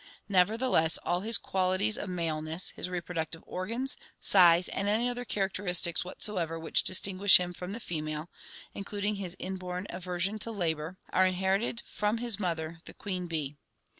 Nevertheless all his qualities of maleness, his reproductive organs, size, and any other characteristics whatsoever which distinguish him from the female, including his inborn aver sion to labor, are inherited from his mother, the queen bee.